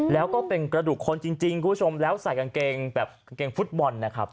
แล้วก็เป็นกระดูกคนจริงคุณผู้ชมแล้วใส่กางเกงแบบกางเกงฟุตบอลนะครับ